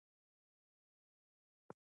خټکی د مېوې پاچا نه ده، خو له خوږو نه ده کمه.